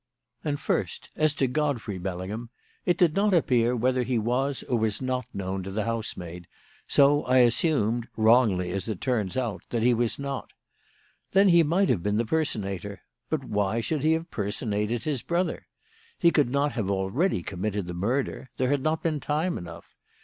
"And, first, as to Godfrey Bellingham. It did not appear whether he was or was not known to the housemaid, so I assumed wrongly, as it turns out that he was not. Then he might have been the personator. But why should he have personated his brother? He could not have already committed the murder. There had not been time enough.